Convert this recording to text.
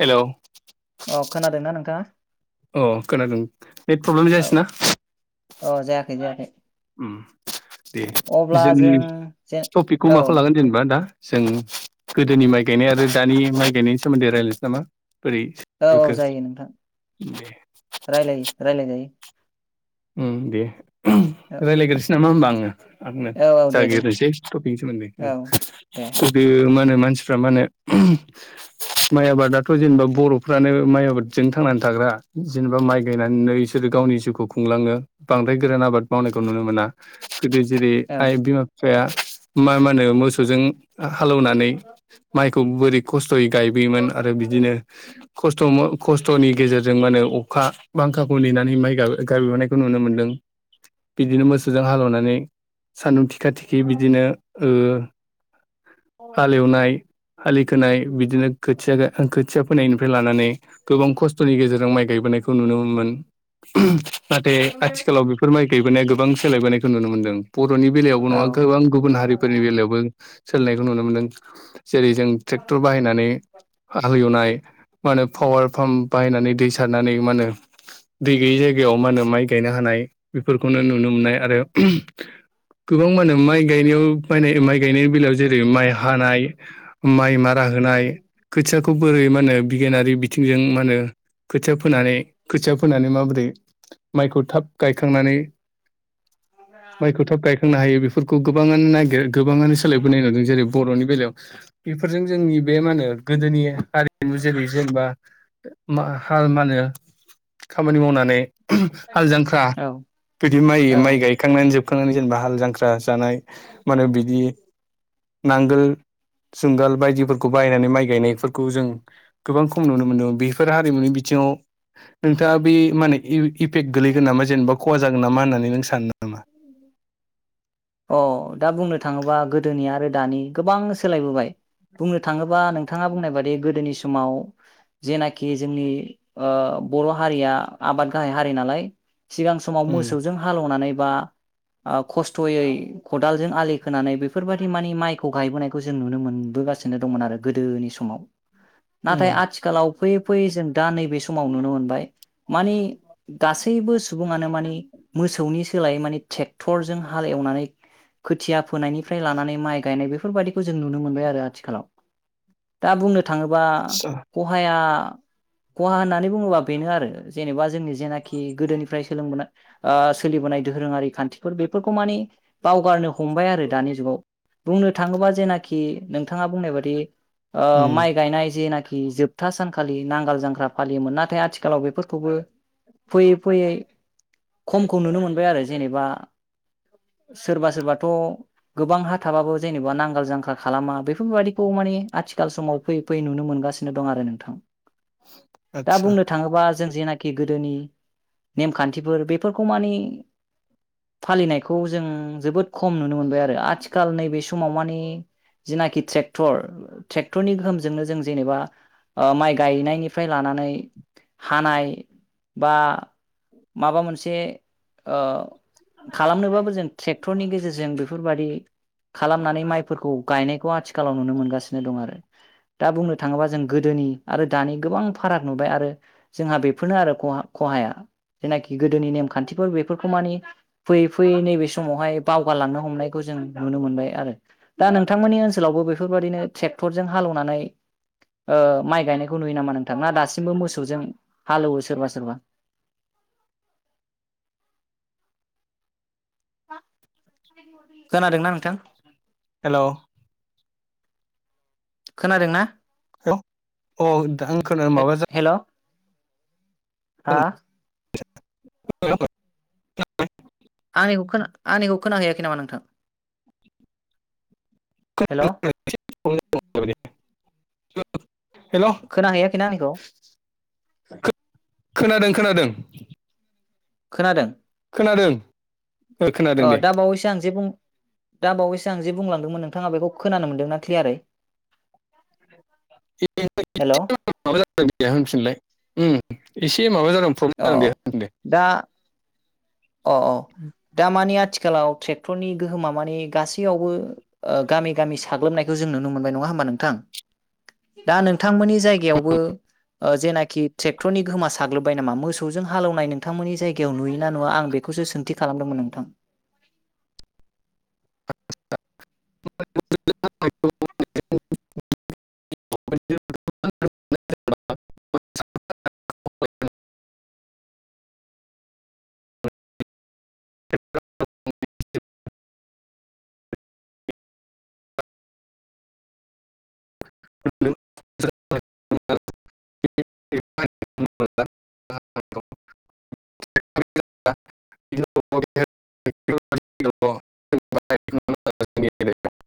Hello औ खोनादोंना नोंथाङा? अ' खोनादों नेट प्रब्लेम जायासैना? अ'जायाखै जायाखै। ओम दे अब्ला जोंनि जों जे टपिकखौ औ माखौ लागोन जेनेबा दा? जों गोदोनि माय गायनाय आरो दानि माय गायनायनि सोमोनदै रायलायनोसै नामा? बोरै औ औ सोलिबोखो जायो नोंथां दे रायलायो रायलायजायो। उम दे। [unintelligible] औ रायलायग्रोसै नामा होमबा आं [unintelligible] आंनाे औ औ दे दे जागिरग्रोसै टपिक नि सोमोन्दै औ दे ओम बे मा होनो मा मानसिफ्रा मा होनो माइ आबादाथ' जेनेबा बर'फ्रानो माइ आबादजों थांनानै थाग्रा जेनेबा माइ गायनानैनो इसोरो गावनि जिउखौ खुंलाङो बांद्राय गोरान आबाद मावनायखौ नुनो मोना। गोदो जेरै- औ आइ बिमा बिफाया मा मा होनो मोसौजों हालौवनानै माइखौ बोरै खस्थ'यै गायबोयोमोन आरो बिदिनो खस्थ खस्थ'नि गेजेरजों मा होनो अखा बांखाखौ नेनानै माइ गायबोनायखौ नुनो मोनदों बिदिनो मोसौजों हालेवनानै सान्दुं थिखा थिखि बिदिनो ओ हालेवनाय आलि खोनाय बिदिनो खोथिया खोथिया फोनायनिफ्राय लानानै गोबां खस्थ'नि गेजेरजों माइ गायबोनायखौ नुनो मोनोमोन [inaudible] नाथाय आथिखालाव बेफोर माइ गायबोनाया गोबां सोलायबोनायखौ नुनो मोनदों बर'नि बेलायावबो औ नङा गोबां गुबुन हारिफोरनि बेलायावबो सोलिनायखौ नुनो मोन्दों जेरै जों ट्रेक्टर बाहायनानै हालेवनाय मा होनो पावार पाम्प बाहायनानै दै सारनानै मा होनो दै गैयै जायगायाव मा होनो माइ गायनो हानाय बेफोरखौनो नुनो मोननाय आरो गोबां मा होनो माइ गायनायाव बायनाय माइ गायनाय बेलायाव जेरै माइ हानाय माइ मारा होनाय खोथियाखौ बोरै मा होनो बिगियानारि माहोनो [unintelligible] खोथिया फोनानै माइखौ थाब गायखांनानै माइखौ थाब गायखांनो हायो बेफोर फोरखौ गोबाङानो नागिर गोबाङानो सोलायबोनाय नुदों जेरै बर'नि बेलायाव बेफोरजों जोंनि बे मा होनो गोदोनि आरिमु जेरै जेनेबा मा होनो खामानि मावनानै नै हाल जांख्रा औ बिदि माइ माइ औ गायखांनानै जोब खुखांनानै जेनेबा हाल जांख्रा जानाय माने बिदि नांगोल जुंगाल बायदिफोरखौ बायनानै माइ गायनाय फोरखौ जों गोबां खम नुनो मोनदों बेफोर हारिमुनि बिथिङाव नोंथाङा बे माने इफेक्ट गोलैगोन नामा जेनेबा खहा जागोन नामा होननानै नों सानो नामा अ दा बुंनो थाङोबा गोदोनि आरो दानि गोबां सोलायबोबाय बुंनो थाङोबा नोंथाङा बुंनाय बादि गोदोनि समाव जेनाखि जोंनि ओ बर' हारिया आबाद गाहाय हारि नालाय सिगां समाव उम मोसौजों हालेवनानै बा खस्थ'यै खदालजों आलि खोनानै बेफोरबायदि मानि माइखौ गायबोनायखौ जों नुनो मोनबोगासिनो दंमोन आरो गोदोनि समाव नाथाय उम आथिखालाव फैयै फैयै जों दा नैबे समाव नुनो मोनबाय मानि गासैबो सुबुङानो मानि मोसौनि सोलाय माने ट्रेक टरजों हाल एवनानै खोथिया फोनायनिफ्राय लानानै माइ गायनाय बे बेफोरबादिखौ जों नुनो मोनबाय आरो आथिखालाव दा बुंनो थांङोबा आतसा खहाया खहा होननानै बुंङोबा बेनो आरो जेनेबा जोंनि जेनाखि गोदोनिफ्राय सोलोंबो सोलिबोनाय दोहोरोंङारि खान्थि फोर बेफोरखौ मानि बावगारनो हमबाय आरो दानि जुगाव बुंनो थांङोबा जेनाखि नोंथांङा बुंनाय बादि ओ उम माइ गायनाय जेना खि जोबथा सानखालि नांगाल जांख्रा फालियोमोन नाथाय आथिखालाव बेफोरखौबो फैयै फैयै खमखौ नुनो मोनबाय आरो जेनेबा सोरबा सोरबाथ' गोबां हा थाबाबो जेनेबा नांगाल जांख्रा खालामा बेफोरबायदिखौ माने आथिखाल समाव फैयै फैयै नुनो मोनगासिनो दं आरो नोंथां दा आतसा बुंनो थांङोबा जों जेना खि गोदोनि नेमखान्थिफोर बेफोरखौ माने फालिनायखौ जों जोबोद खम नुनो मोनबाय आरो आथि खाल नैबे समाव माने जेनाखि ट्रेक्टर ट्रेक्टरनि गोहोमजोंनो जों जेनेबा ओ माइ गायनायनिफ्राय लानानै हानाय बा माबा मोनसे ओ खालामनोबाबो जों ट्रेक्टरनि गेजेरजों बेफोरबादि खालामनानै माइफोरखौ गायनायखौ आथिखालाव नुनो मोनगासिनो दं आरो दा बुंनो थांङोबा जों गोदोनि आरो दानि गोबां फाराग नुबाय आरो जोंहा बेफोरनो आरो खहा खहाया जेनाखि गोदोनि नेमखान्थिफोर बेफोरखौ माने फैयै फैयै नैबे समावहाय बावगारलांनो हमनायखौ जों नुनो मोनबाय आरो दा नोंथांमोननि ओनसोलावबो बेफोरबादिनो ट्रेक्टरजों हालेवनानै ओ माइ गायनायखौ नुयो नामा नोंथां ना दासिमबो मोसौजों हालौवो सोरबा सोरबा खोनादोंना नोंथां? हेलौ खोनादों ना? हेलौ औ दा आं खोनो माबा हेल' हा। [unintelligible] आंनिखौ खो आंनिखौ खोनाहैयाखै नामा नोंथां? हेलौ। हेलौ खोनाहैयाखैना आंनिखौ खो खोनादों खोनादों। खोनादों। खोनादों ओ खोनादों अ दे दा बावैसो आं जे बुं दा बावैसो आं जे बुंलांदोंमोन नोंथांङा बेखौ खोनानो मोनदोंना क्लियारै [unintelligible] हेल' माबा जादों नोंनिया होनफिनलाय उम इसे माबा जादों अ प्रब्लेम जादों दे ओं दे दा अ अ दा मा नि आथिखालाव ट्रेक्टरनि गोहोमा मानि गासैयावबो ओ गामि गामि साग्लोबनायखौ जों नुनो मोनबाय नङा हबा नोंथां? दा नोंथांमोननि जायगायावबो ओ जेनाखि ट्रेक्टरनि गोहोमा साग्लोबबाय नामा मोसौजों हालेवनाय नोंथांमोननि जायगायाव नुयो ना नुङा आं बेखौसो सोंथि खालामदोंमोन नोंथां? [unintelligible] [unintelligible] [unintelligible] [unintelligible]